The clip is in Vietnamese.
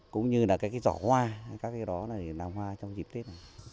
cũng như là cái giỏ hoa các cái đó là hoa trong dịp tết